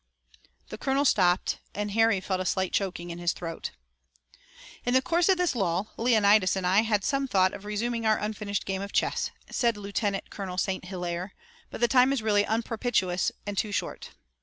The colonel stopped, and Harry felt a slight choking in his throat. "In the course of this lull, Leonidas and I had some thought of resuming our unfinished game of chess," said Lieutenant Colonel St. Hilaire, "but the time is really unpropitious and too short.